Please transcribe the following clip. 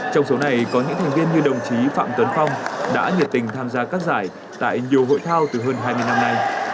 trong số này có những thành viên như đồng chí phạm tuấn phong đã nhiệt tình tham gia các giải tại nhiều hội thao từ hơn hai mươi năm nay